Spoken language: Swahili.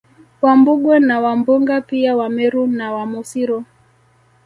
Wambugwe na Wambunga pia Wameru na Wamosiro